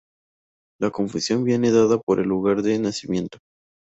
La confusión viene dada por el lugar de nacimiento.